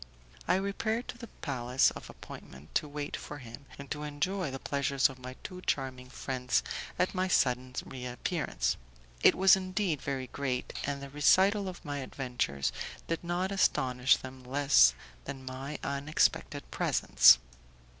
I repaired to the place of appointment to wait for him, and to enjoy the pleasure of my two charming friends at my sudden reappearance. It was indeed very great, and the recital of my adventures did not astonish them less than my unexpected presence.